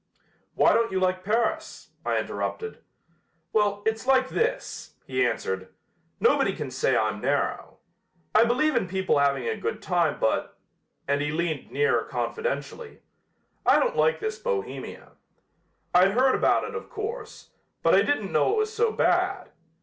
"Why don't you like Paris?" I interrupted. "Well, it's like this," he answered. "Nobody can say I'm narrow. I believe in people having a good time, but " and he leaned nearer confidentially, "I don't like this Bohemia. I'd heard about it, of course, but I didn't know it was so bad.